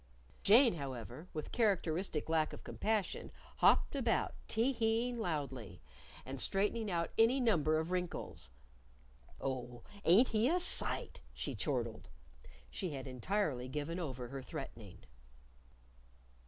Jane, however, with characteristic lack of compassion, hopped about, tee heeing loudly and straightening out any number of wrinkles. "Oh, ain't he a sight!" she chortled. She had entirely given over her threatening.